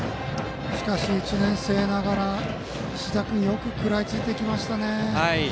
しかし１年生ながら石田君はよく食らいついていきましたね。